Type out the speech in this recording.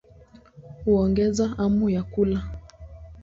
Huongeza hamu ya kula.